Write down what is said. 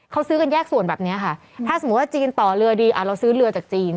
เขาซื้อกันแยกส่วนแบบนี้ค่ะถ้าสมมุติว่าจีนต่อเรือดีเราซื้อเรือจากจีน